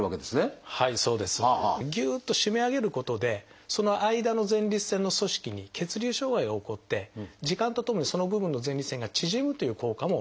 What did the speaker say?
はいそうです。ギュッと締め上げることでその間の前立腺の組織に血流障害が起こって時間とともにその部分の前立腺が縮むという効果もあります。